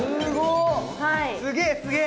すげえ、すげえ！